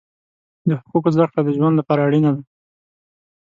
د حقوقو زده کړه د ژوند لپاره اړینه ده.